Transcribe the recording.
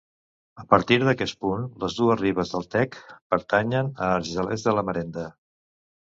A partir d'aquest punt les dues ribes del Tec pertanyen a Argelers de la Marenda.